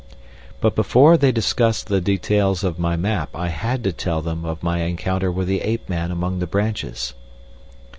But before they discussed the details of my map I had to tell them of my encounter with the ape man among the branches.